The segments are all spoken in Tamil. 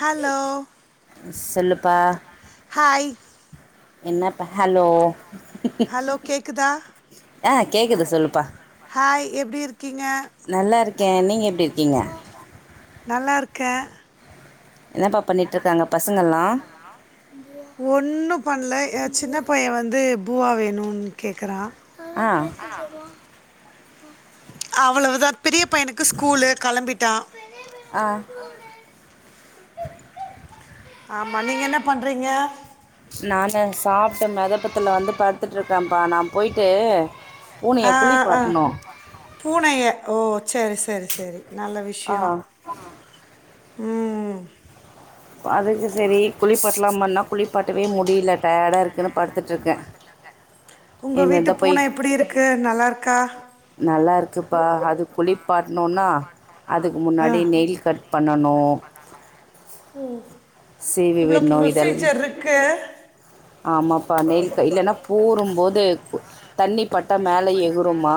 ஹலோ சொல்லுப்பா ஹாய் என்னப்ப ஹலோ ஹலோ கேக்குதா ஆ கேக்குது சொல்லுப்பா ஹாய் எப்டிருக்கீங்க நல்லா இருக்க நீங்க எப்டி இருக்கீங்க நல்லா இருக்க என்னப்பா பண்ணிட்ருக்காங்க பசங்கள்லா ஒன்னு பண்ல எ சின்ன பைய வந்து பூவா வேணுனு கேக்குறா ஆ அவ்வளவுதா பெரிய பையனுக்கு ஸ்கூலு கெளம்பிட்டா ஆ ஆமா நீங்க என்ன பண்றீங்க நானு சாப்ட மெதப்பத்துல வந்து படுத்துட்டு இருக்கேப்பா நா போய்ட்டு ஆ அ பூனைய ஓ செரி செரி செரி நல்ல ஆ விஷ்யோ ம் ம் அதுக்கு சரி குளிப்பாட்லாமானா குளிப்பாட்டவே முடில டயடா இருக்குனு படுத்துட்ருக்கே உங்க இனிமேல் வீட்டு தா போய் பூன எப்படி இருக்கு நல்லா இருக்கா நல்லா இருக்குப்பா அது குளிப்பாட்னோனா அதுக்கு ஆ முன்னாடி நெயில் கட் பண்ணணு சீவி விண்ணு இதலா க ஆமாப்பா நெயில் இல்லன்னா பூறும்போது தண்ணி பட்டா மேல எகுறும்மா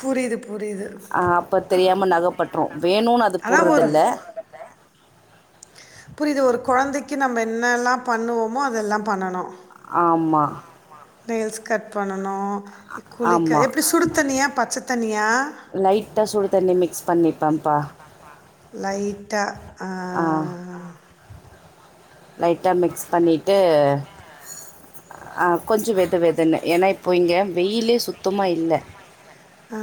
புரியுது புரியுது ஆ அப்ப தெரியாம நகப்பற்றோ வேணுன்னு அது அதா ஒரு போறதில்ல புரியிது ஒரு குழந்தைக்கு நம்ம என்னெல்லா பண்ணுவோமோ அதெல்லா பண்ணணு ஆமா ஆமா நெயில்ஸ் கட் பண்ணனு குளிக்க ஆமாம் எப்டி சுடு தண்ணியா பச்ச தண்ணியா லைட்டாக சுடு தண்ணி மிக்ஸ் பண்ணிப்பன்ப்பா லைட்டா ஆ லைட்டா மிக்ஸ் பண்ணிட்டு ஆ கொஞ்சோ வெது வெதுன்னு ஏன்னா இப்ப இங்க வெயிலே சுத்தமா இல்ல ஆ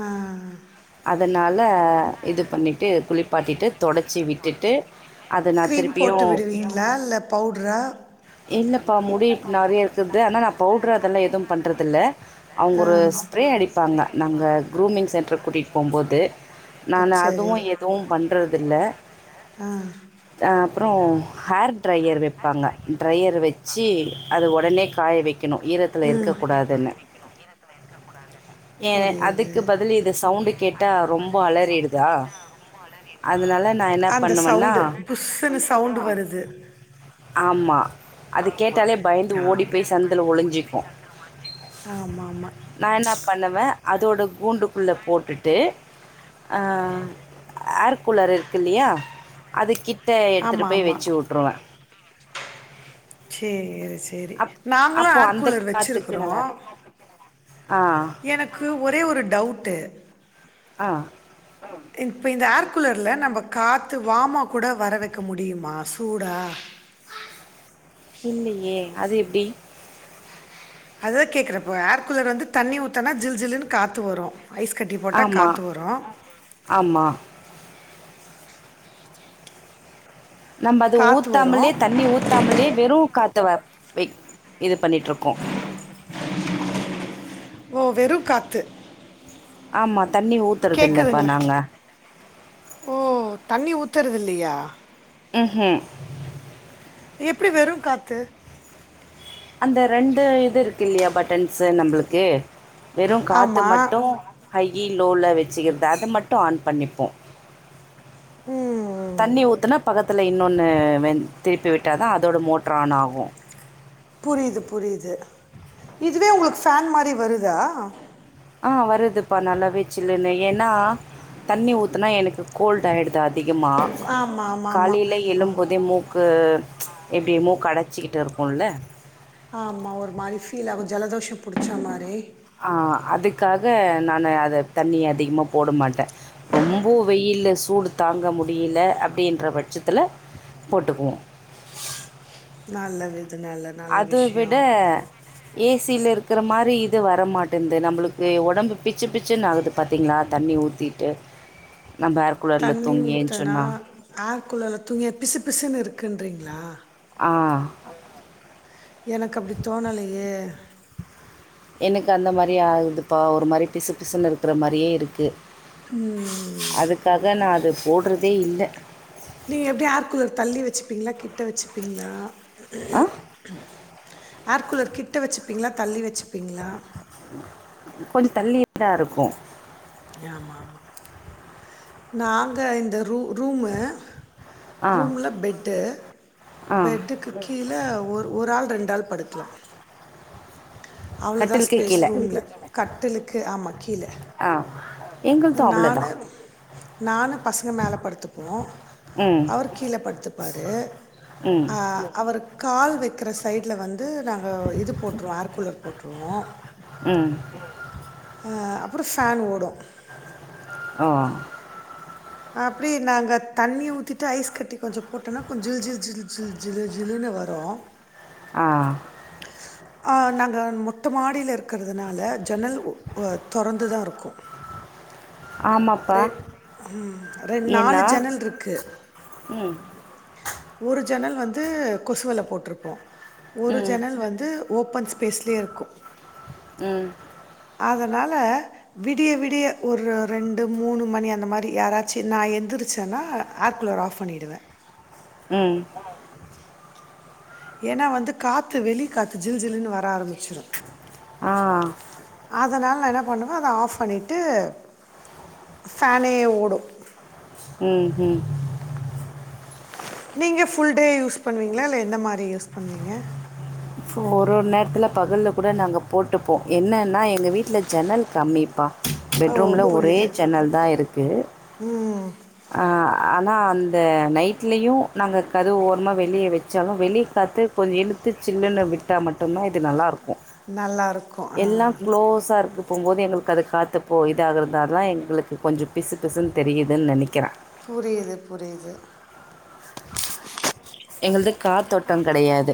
அதுனால இது பண்ணிட்டு குளிப் பாட்டிட்டு தொடச்சி விட்டிட்டு அது நா க்ரீம் திருப்பியு போட்டு விடுவீங்களா இல்லை பவுடரா இல்லப்பா முடி இ நெறைய இருக்குறது ஆனா நா பவுட்ரு அதெல்லா எதுவு பண்றதில்ல அவுங்க ஆ ஒரு ஸ்ப்ரே அடிப்பாங்க நாங்க குரூமிங் சென்டர்க்கு கூட்டிட்டு போ கும் போது நானு ஓ சரி அதுவு நாங்க எதுவு பண்றதில்ல ஆ அ அப்றோஹேர் டிரையர் வெப்பாங்க டிரையர் வெச்சி அத ஒடனே காய வைக்கணு ஈரத்துல இருக்கக்கூடாதுன்னு ஏவே அதுக் புரியுது க்கு பதில் இது சவுண்டுக் கேட்டா ரொம்ப அலறிருதா அதுனால நா என்ன பண்ணுவன்னா புஸ்ன்னு சவுண்டு வருது ஆம்மா அது கேட்டாலே பயந்து ஓடி போய் சந்துல ஒளிஞ்சி ஆமா ஆமா நா என்ன பண்ணுவே அதோட கூண்டுக்குள்ள போட்டுட் து ஆ ஏர்கூலர் இருக்கு இல்லியா அதுக்கிட்ட எடுத்துட்டு ஆமாம் போய் ஆமாம் வச்சு விட்ருவே சேரி சே சேரி அப் நாங்களு அப்போது ஆர் அந்த கூலர் காற்றுக்கு வச்சிருக்குறோ நல்லா இருக்கும் ஆ எனக் க்கு ஒரே ஒரு டவுட்டு ஆ இப்ப இந்த ஏர் கூலர்ல நம்ப காத்து வாமா கூட வர வைக்க முடியுமா சூடா இல்லையே அது எப்டி அதா கேக்குற இப்ப ஆர் கூலர் வந்து தண்ணி ஊத்தனா ஜில் ஜில்ன்னு காத்து வரோ ஐஸ் கட்டி போட்டா காத்து வரோ ஆமா நம்ம அது காத்து வரும் ஊத்தாமலே தண்ணி ஊத்தாமலே வெறு காத்த வ வை இது பண்ணிட்ருக்கோ ஓ வெறு காத்து ஆமா தண்ணி ஊத்றதில்லப்பா கேக்குதுங்களா நாங்க ஓ தண்ணி ஊத்துறது இல்லையா உ ஹு எப்டி வெறு காத்து அந்த ரெண்டு இது இருக்கில்லயா பட்டன்ஸ்ஸு நம்பளுக்கு வெறு காத்து ஆமா மட்டு ஹையி லோல வெச்சிக்கிறது அத மட்டு ஆன் பண்ணிப்போ ம் தண்ணி ஊத்துனா பகத் த்ல இன்னொன்னு வென் திருப்பி விட்டாதா அதோட மோட்ரு ஆன் ஆகு புரிது புரிது இதுவே உங்களுக்கு ஃபேன் மாரி வருதா ஆ வருதுப்பா நல்லாவே சில்லுனு ஏனா தண்ணி ஊத்துனா எனக்கு கோல்ட் ஆயிடுது அதிகமா ஆமா ஆமா ஆமா காலைல எழும்போதே மூக்கு எப்டி மூக்கு அடைச்சுகிட்டு இருக்குல்ல ஆமா ஒரு மாரி ஃபீல் ஆகு ஜலதோஷோ புடிச்சா மாரி ஆ அதுக்காக நானு அத தண்ணி அதிகமா போட மாட்ட ரொம்போ வெய்யில்ல சூடு தாங்க முடில அப்டின்ற பட்சத்தில போட்டுக்குவோ நல்லது இது நல்லது அது விட ஏ சி ல இருக்கற மாரி இது வர மாட்டன்து நம்மளுக்கு ஒடம்பு பிச்சு பிச்சுன்னு ஆகுது பாத்தீங்ளா தண்ணி ஊத்திட்டு நம்ம ஏர் கூலர்ல தண்ணி தூங்கி ஊத்தனா எஞ்சோன்னா ஏர் கூலர்ல தூங்ய பிசு பிசுன்னு இருக்குன்றீங்ளா ஆ எனக்கு அப்டி தோணலயே எனக்கு அந்த மாரி ஆகுதுப்பா ஒரு மாரி பிசு பிசுன்னு இருக்கிற மாரியே இருக்கு ம் அதுக்காக நா அது போடுறதே இல்ல நீங்க எப்டி ஏர்கூலர் தள்ளி வெச்சுப்பீங்ளா கிட்ட வெச்சுப்பீங்ளா ஆ ஏர் கூலர் கிட்ட வெச்சுப்பீங்ளா தள்ளி வெச்சுப்பீங்ளா கொஞ்சோ தள்ளிதா இருக்கு ஆமா நாங்க இந்த ரூ ரூமு ஆ, ரூம்ல பெட்டு ஆ. பெட்டுக்கு கீழ ஒரு ஒரு ஆள் ரெண்டு ஆள் படுக்லா அவ்ளோதா கட்டிலுக்கு ஸ்பேஸ்ஸு கீழே ரூம்ல கட்டிலுக்கு ஆமா கீழ ஆ எங்களுதும் நானு அவ்வளோதான் நானு பசங்க மேல படுத்துக்குவோ ம் அவர் கீழ படுத்துப்பாரு ம் அ அவர் கால் வெக்கிற சைட்ல வந்து வந்து நாங்க இது போட்டுருவோ ஏர் கூலர் போட்டுருவோ ம் அ அப்றோ ஃபேன் ஓடு ஆ அப்டியே நாங்க தண்ணிய ஊத்திட்டு ஐஸ் கட்டி கொஞ்சோ போட்டோனா கொஞ்சோ ஜில் ஜில் ஜில் ஜில் ஜிலு ஜிலுனு வரு ஆ ஆ நாங்க மொட்ட மாடில இருக்கறதுனால ஜன்னல் தொறந்துதா இருக்கு ஆமாப்பா ரெண் ம் ரெண் நாலு ஏன்னா ஜன்னல் இருக்கு ம் ஒரு ஜன்னல் வந்து கொசு வல போட்ருப்போ ஒரு ம் ஜன்னல் வந்து ஓப்பன்ஸ் பேசுலயே இருக்கு ம் அதனால விடிய விடிய ஒரு ரெண் டு மூணு மணி அந்த மாரி யாராச்சு நா எந்தருச்சனா ஆர் குலர் ஆஃப் பண்ணிடுவ ம் ஏனா வந்து காத்து வெளி காத்து ஜில் ஜிலுனு வர ஆரம்பிச்சிரு ஆ அதனாலலே நா என்ன பண்ணுவ அத ஆஃப் பண்ணிட்டு ஃபேனே ஓடு ம் ம் நீங்க ஃபுல் டே யூஸ் பண்ணுவீங்களா இல்ல எந்த மாரி யூஸ் பண்ணுவீங்க ஒரு ஒரு நேரத்துல பகல்ல கூட நாங்க போட்டுப்போ என்னென்னா எங்க வீட்ல ஜன்னல் கம்மிப்பா பெட் ஓ ரூம்ல ஒரே புரியுது ஜன்னல் தா இருக்கு ம் ஆ ஆனா அந்த நைட்லயு நாங்க கதுவு ஓரமா வெளியே வச்சாலு வெளியே காத்து கொஞ்ச இழுத்து சில்லுனு விட்டா மட்டுதா இது நல்லாயிருக்கு நல்லா இருக்கும் ஆ எல்லா க்ளோஸா இருக்கு போம் போது எங்களுக்கு அது காத்தப்போ இதாகிறதால தா எங்களுக்கு கொஞ்ச பிசு பிசுன்னு தெரியுதுன்னு நனைக்கிற புரியுது புரியுது எங்களுது காத்தோட்ட கடையாது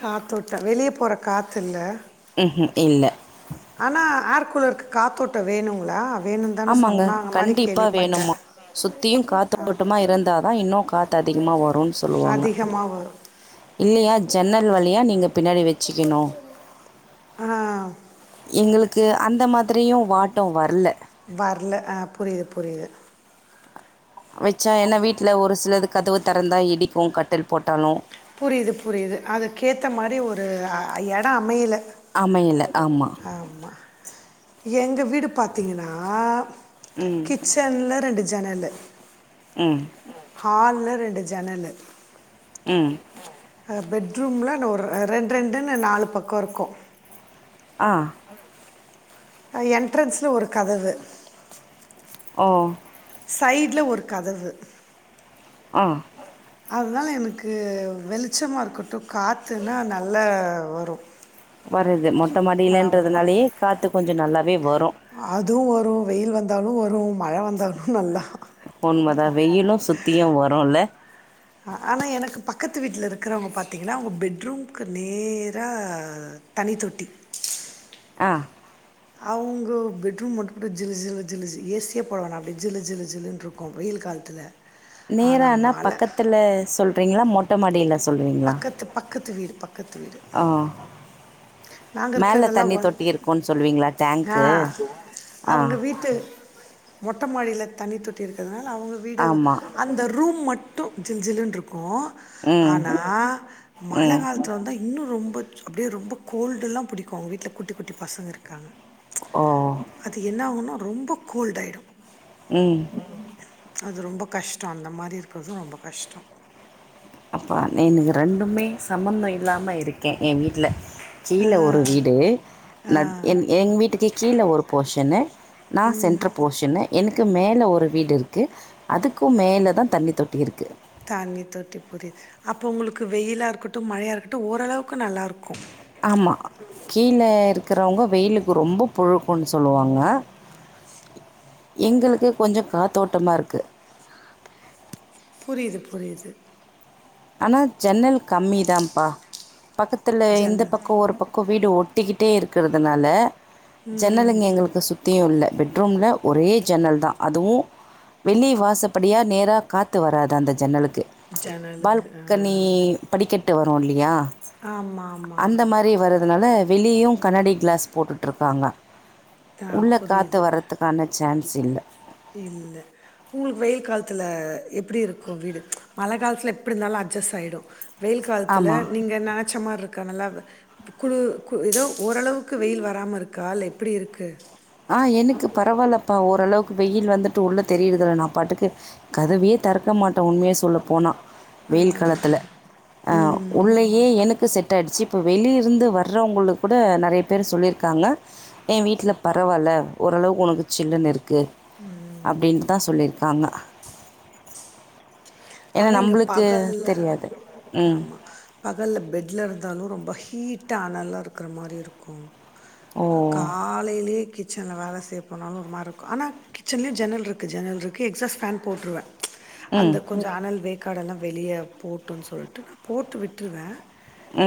காத்தோட்டோ வெளிய போற காத்து இல்ல ம்ஹும் இல்ல ஆனா ஏர் கூலருக்கு காத்தோட்ட வேணுங்களா வேணும் தானே ஆமாங்க சொன்னாங்க மாதிரி கண்டிப்பா கேள்விப்பட்டேன் வேணுமா சுத்தியு காத்து ஓட்மா இருந்தாதா இன்னு காத்து அதிகமா வருன்னு சொல்லுவாங்க அதிகமாக வரும் இல்லையா ஜன்னல் வழியா நீங்க பின்னாடி வெச்சிக்கணு ஆ எங்களுக்கு அந்த மாதிரியு வாட்டோ வரல வர்ல அ புரிது புரிது வெச்சா ஏனா வீட்ல ஒரு சிலது கதவு தெறந்தா இடிக்கு கட்டில் போட்டாலு புரிது புரிது அதுக்கேத்த மாரி ஒரு அ இடோ அமையல அமையல ஆமா எங்க வீடு பாத்தீங்கன்னா ம் கிச்சன்ல ரெண்டு ஜனலு ம் ஹால்ல ரெண்டு ஜனலு ம் அ பெட்ரூம்ல ந ஒரு ரெண்டு ரெண்டுன்னு நாலு பக்கோ இருக்கு ஆ [inaudible] அ என்ட்ரன்ஸ்ல ஒரு கதவு ம் சைட்ல ஒரு கதவு ம் அதனால எனக்கு வெளிச்சமா இருக்கட்டு காத்துன்னா நல்லா வரு வருது மொட்ட மாடியலன்றதுனாலயே காத்து கொஞ்சோ நல்லாவே வரு அதுவு வரு வெயில் வந்தாலு வரு மழ வந்தாலு நல்லா உண்மதா வெயிலு சுத்தியு வருல ஆனா எனக்கு பக்கத்து வீட்ல இருக்கிறவங்க பாத்திங்கன்னா அவுங்க பெட்ரூம்கு நேரா தண்ணி தொட்டி அ அவுங்க பெட்ரூம் மட்டு கூட ஜிலு ஜிலு ஜிலுனு ஏசியே போடவேனா அப்டியே ஜிலு ஜிலு ஜிலுனு இருக்கு வெயில் காலத்துல நேரனா பக்கத்துல சொல்றீங்களா மொட்ட மாடியில சொல்றீங்களா பக்கத்து பக்கத்து வீடு பக்கத்து வீடு ஆ நாங்க மேல இருக்கறதெல்லா தண்ணி வோ தொட்டி இருக்குன்னு சொல்லுவீங்களா ஆ டேங்க்கு ஆ அவங்க வீட்டு மொட்ட மாடில தண்ணி தொட்டி இருக்கறதுனால அவங்க வீடு ஆமா அந்த ரூம் மட்டு ஜில் ஜில்லுனு இருக்கு ம் ஆனா மழ ம் காலத்து அது வந்தா இன்னு ரொம்ப அப்டியே ரொம்ப கோல்டு எல்லா பிடிக்கு அவங்க வீட்ல குட்டி குட்டி பசங்க இருக்காங்க ஓ அது என்ன ஆகுன்னா ரொம்ப கோல்ட் ஆயிடு ம் அது ரொம்ப கஷ்டோ அந்த மாரி இருக்கறது ரொம்ப கஷ்டோ அப்பா எனக்கு ரெண்டுமே சம்மந்தோ இல்லாம இருக்கே ஏ வீட்ல ஆ கீழ ஒரு வீடு ந ஆ என் எங்க வீட்டுக்கு கீழ ஒரு போஷனு நா சென்ட்ரு போஷனு எனக்கு மேலே ஒரு வீடு இருக்கு அதுக்கு மேலதா தண்ணி தொட்டி இருக்கு தண்ணி தொட்டி புரியுது அப்போ உங்களுக்கு வெயிலா இருக்கட்டு மழையா இருக்கட்டு ஓரளவுக்கு நல்லா இருக்கு ஆமா கீழ இருக்குறவங்க வெயிலுக்கு ரொம்ப புழுக்கோன்னு சொல்லுவாங்க எங்களுக்கு கொஞ்சோ காத்தோட்டமா இருக்கு புரியிது புரியிது ஆனா ஜன்னல் கம்மி தா ப்பா பக்கத்துல இந்த ஜன்னல் பக்கோ ஒரு பக்கோ வீடு ஒட்டிக்கிட்டே இருக்கறதுனால ஜன்னல்ங்க எங்களுக்கு சுத் தியு இல்ல பெட்ரூம்ல ஒரே ஜன்னல்தா அதுவு வெளிய வாசப்படியா நேரா காத்து வராது அந்த ஜன்னலுக்கு ஜன்னலுக்கு ஆ பால்கனி படிக்கட்டு வரு இல்லையா ஆமாம் ஆமாம் அந்த மாரி வர்ற அதனால வெளியயு கண்ணாடி கிளாஸ் போட்டுட்டுருக்காங்க ஆ உள்ள காத்து புரியுது வர்றதுக் கான சான்ஸ் இல்ல இல்ல உங்களுக்கு வெயில் காலத்துல எப்டி இருக்கு வீடு மழை காலத்துல எப்டி இருந்தாலு அட்ஜஸ் ஆயிடு வெயில் காலத்துல ஆமாம் நீங்க நெனச்ச மார் இருக்கா நல்லா குளு கு ஏதோ ஓரளவுக்கு வெயில் வராம இருக்கா இல்ல எப்டி இருக்கு ஆ எனக்கு பரவாயில்லப்பா ஓரளவுக்கு வெயில் வந்துட்டு உள்ள தெரியுறதில்ல நா பாட்டுக்கு கதவயே திறக்க மாட்டே உண்மயே சொல்ல போனா வெயில் காலத்துல ஆ ம் உள்ளயே எனக்கு செட் ஆயிடுச்சி இப்போ வெளிய இருந்து வர்றவங்களுக்கு கூட நெறைய பேர் சொல்லிருக்காங்க ஏ வீட்ல பரவாயில்ல ஓரளவுக்கு ஒனக்கு சில்லுன்னு இருக்கு ம் அப்டின்ட்டுதா சொல்லிருக்காங்க ஏன்னா ஆனா இங்க நம்பளுக்கு பகல்ல தெரியாது. ம். ஆமா பகல்ல பெட்ல இருந்தாலு ரொம்ப ஹீட்டா அனலா இருக்குற மாரி இருக்கு ஓ! ஆ காலேலயே கிச் சன்ல வேல செய்ய போனாலு ஒரு மாரி இருக்கு ஆனா கிச்சன்லயு ஜன்னல் இருக்கு ஜன்னல் இருக்கு எக்ஸாட் ஃபேன் போட்டுருவே ம். அந்த கொஞ்ச அனல் வேக்காடெல்லா வெளிய போட்டுன்னு சொல்லிட்டு நா போட்டு விட்ருவே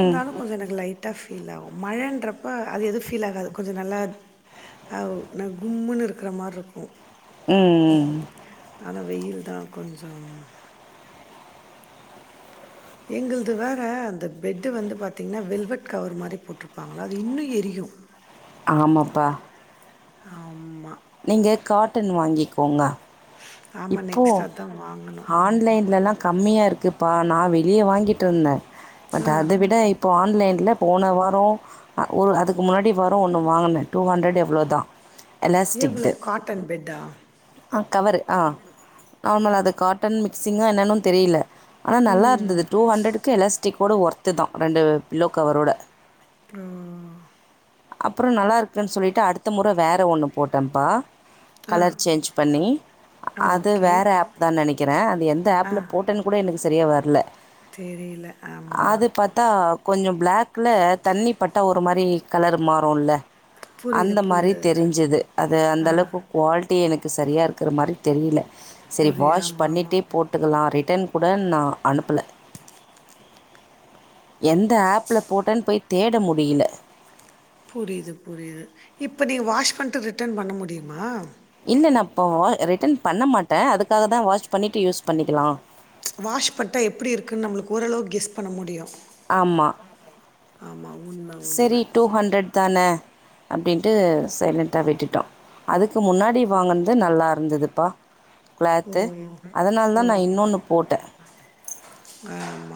ம். கொஞ்சோ எனக்கு லைட்டா ஃபீல் ஆகு மழன்றப்ப அது எது ஃபீல் ஆகாது கொஞ்சோ நல்லா அவ் நா கும்முன்னு இருக்குற மாரி இருக்கு ம் ம் ஆனா வெயில் தா கொஞ்சம் எங்கள்து வேற அந்த பெட்டு வந்து பாத்தீங்கன்னா வெல்வெட் கவர் மாரி போட்ருப்பாங்களா அது இன்னு எரியு ஆமப்பா ஆமா நீங்க காட்டன் வாங்கிக்கோங்க ஆமா இப்போ நெக்ஸ்ட் அதா வாங்கனு காட்டன் கம்மிய இருக்குப்பா நா வெளிய வாங்கிட்டு இருந்தே ஆ பட் அத விட இப் போ ஆன்லைன்ல போன வாரோ அ ஒரு அதுக்கு முன்னாடி வாரோ ஒன்று வாங்குனே டூ ஹண்ரட் எவ்ளோதா எவ்ளோ எலாஸ்டிக்து காட்டன் பெட்டா ஆ கவரு ஆ நார்மலா அது காட்டன் மிக்ஸிங்கா என்னென்னு தெரியல ஆனா நல்லா ம். இருந்தது டூ ஹண்ட்ரடுக்கு எலாஸ்டிக்கோட ஒர்த்து தா ரெண்டு பில்லோ கவரோட ட்ரொ அப்பறோ நல்லா இருக்குனு சொல்லிட்டு அடுத்த முறை வேற ஒண்ணு போட்டேப்பா அஹ் சேஞ்ச் பண்ணி அது வேற ஆப் தா நெனைக்கிறே அது எந்த ஆ. ஆப்ல போட்டேன்னு கூட எனக்கு சரியா வரல தெரியல ஆமா டா கொஞ்சோ பிளாக்ல தண்ணி பட்டா ஒரு மாரி கலர் மாறுல புரியுது, அந்த மாரி புரியுது. தெரிஞ்சுது அது அந்த ஆ. அளவ்க்கு குவால் ட்டி எனக்கு சரியா இருக்குற மாரி தெரில செரி புரி வாஷ் ஆமாமா. பண்ணிட்டே போட் டுக்கலா ரிட்டன் கூட நா அனுப்பல எந்த ஆப்ல போட்டேனு போய் தேட முடியில புரியுது புரியுது இப்ப நீ வாஷ் பண்ட்டு ரிட்டன் பண்ண முடியுமா இல்ல நா இப்போ ரிட்டன் பண்ண மாட்டே அதுக்காக தா வாஷ் பண்ணிட்டு யூஸ் பண்ணிக்கலா வாஷ் பண்டா எப்டி இருக்குனு நம்மளுக்கு ஓரளவுக்கு கெஸ் பண்ண முடியு ஆமா ஆமா உண்ம செரி உண்ம. டூஹண்டரட் தான அப்டின்ட்டு சைலண்டட்டா விட்டுட்டோ அதுக்கு முன்னாடி வாங்குனது நல்லா இருந்ததுப்பா கிளாத்து அதனால தா நா இன்னொன்னு போட்டே வேமா